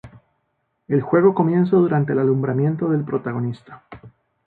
El juego comienza durante el alumbramiento del protagonista.